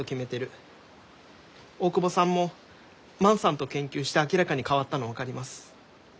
大窪さんも万さんと研究して明らかに変わったの分かります。